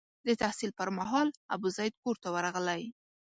د تحصیل پر مهال ابوزید کور ته ورغلی.